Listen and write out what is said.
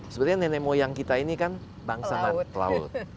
sebenarnya nenek moyang kita ini kan bangsa pelaut